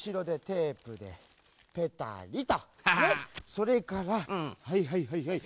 それからはいはいはいはい。